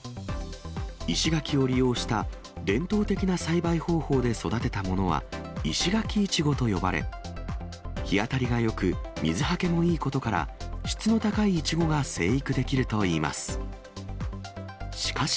石垣を利用した伝統的な栽培方法で育てたものは、石垣いちごと呼ばれ、日当たりがよく、水はけもいいことから、質の高いイチゴが生育できるといいます。